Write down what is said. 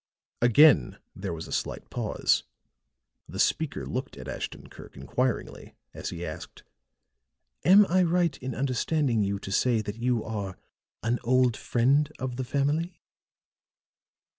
Again there was a slight pause; the speaker looked at Ashton Kirk inquiringly as he asked: "Am I right in understanding you to say that you are an old friend of the family?"